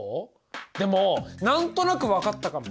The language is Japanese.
でも何となく分かったかも！